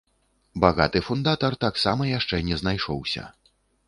Багаты фундатар таксама яшчэ не знайшоўся.